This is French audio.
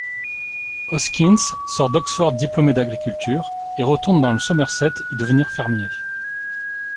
Hoskyns sort d'Oxford diplômé d'agriculture et retourne dans le Somerset y devenir fermier.